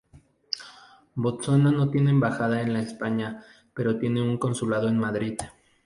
Botsuana no tiene embajada en España pero tiene un consulado en Madrid.